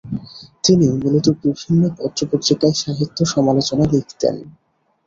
তিনি মূলত বিভিন্ন পত্র-পত্রিকায় সাহিত্য সমালোচনা লিখতেন।